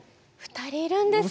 ２人いるんです。